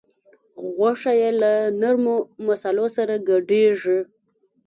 غوښه یې له نرمو مصالحو سره ګډیږي.